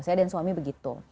saya dan suami begitu